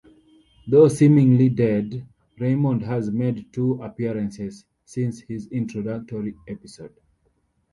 Though seemingly dead, Raymond has made two appearances since his introductory episode.